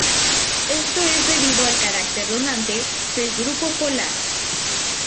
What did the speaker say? Esto es debido al carácter donante del grupo polar.